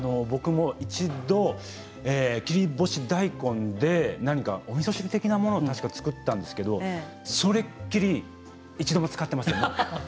僕も一度、切り干し大根で何かおみそ汁的なものを作ったんですけどそれっきり一度も使っていません。